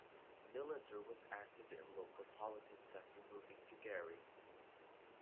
Millender was active in local politics after moving to Gary.